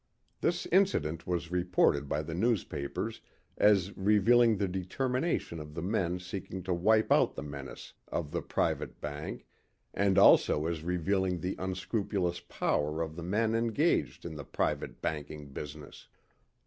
This incident was reported by the newspapers as revealing the determination of the men seeking to wipe out the menace of the private bank and also as revealing the unscrupulous power of the men engaged in the private banking business.